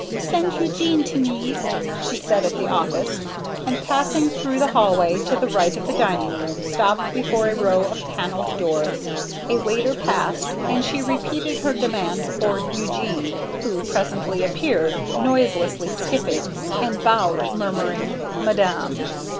"Send Eugene to me," she said at the office, and passing through the hallway to the right of the dining room stopped before a row of panelled doors. A waiter passed and she repeated her demand for Eugene, who presently appeared, noiselessly skipping, and bowed murmuring, "Madame."